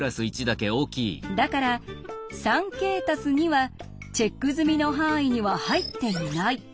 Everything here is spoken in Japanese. だから「３ｋ＋２」はチェック済みの範囲には入っていない。